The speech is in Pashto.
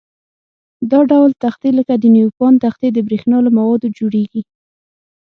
دا ډول تختې لکه د نیوپان تختې د برېښنا له موادو جوړيږي.